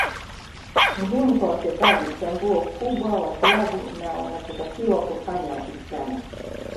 Muhimu kwa wachezaji kutambua ukubwa wa klabu na wanachotakiwa kufanya wakikutana